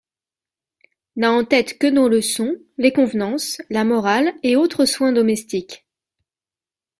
N'a en tête que nos leçons, les convenances, la morale et autres soins domestiques.